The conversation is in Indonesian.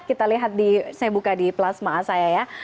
kita lihat di saya buka di plasma saya ya